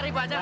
gak usah lah